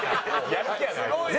やる気やなあいつ。